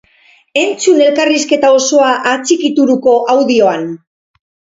Entzun elkarrizketa osoa atxikituruko audioan!